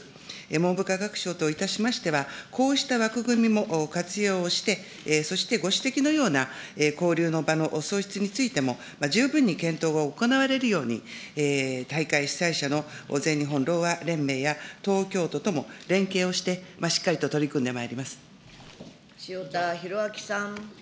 文部科学省といたしましては、こうした枠組みも活用して、そしてご指摘のような交流の場の創出についても十分に検討を行われるように、大会主催者の全日本ろうあ連盟や東京都とも連携をして、塩田博昭さん。